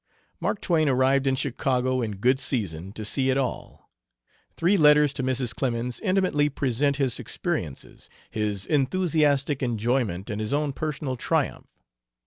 Mark Twain arrived in Chicago in good season to see it all. Three letters to Mrs. Clemens intimately present his experiences: his enthusiastic enjoyment and his own personal triumph.